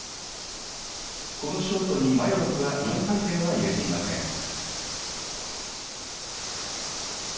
このショートにマヨロフは４回転を入れていません。